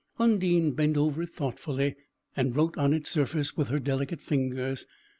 Undine bent over it thoughtfully, and wrote on its surface with her delicate fingers.